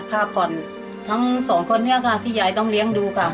ภาพรทั้งสองคนที่ใหญ่ต้องเลี้ยงดูค่ะ